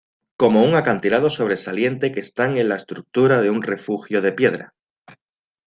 Como un acantilado sobresaliente que están en la estructura de un refugio de piedra.